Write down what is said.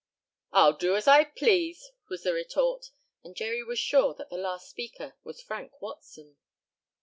"I'll do as I please!" was the retort, and Jerry was sure the last speaker was Frank Watson.